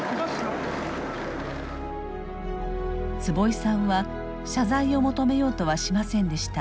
坪井さんは謝罪を求めようとはしませんでした。